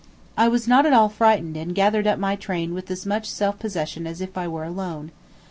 I was not [at] all frightened and gathered up my train with as much self possession as if I were alone.